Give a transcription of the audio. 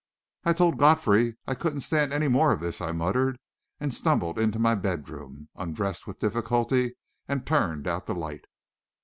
"I told Godfrey I couldn't stand any more of this," I muttered, and stumbled into my bedroom, undressed with difficulty, and turned out the light.